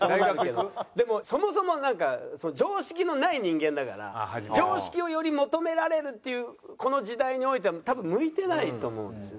でもそもそもなんか常識のない人間だから常識をより求められるっていうこの時代においては多分向いてないと思うんですよ。